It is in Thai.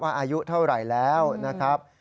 อายุเท่าไหร่แล้วนะครับ